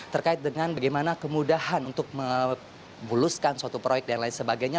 terkait dengan bagaimana kemudahan untuk membuluskan suatu proyek dan lain sebagainya